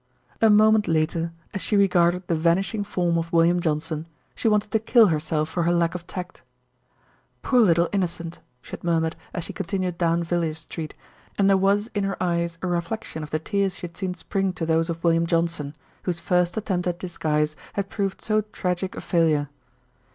A moment later, as she regarded the vanishing form of William Johnson, she wanted to kill herself for her lack of tact. "Poor little Innocent!" she had murmured as she continued down Villiers Street, and there was in her eyes a reflection of the tears she had seen spring to those of William Johnson, whose first attempt at disguise had proved so tragic a failure.